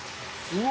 うわ。